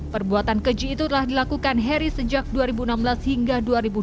perbuatan keji itu telah dilakukan harry sejak dua ribu enam belas hingga dua ribu dua puluh